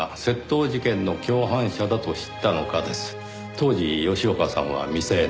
当時吉岡さんは未成年。